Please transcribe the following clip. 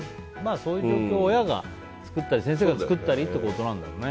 そういう状況を親や先生が作ったりということなんだろうね。